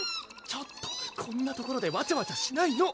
ちょっとこんなところでわちゃわちゃしないの！